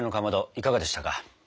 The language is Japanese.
いかがでしたか。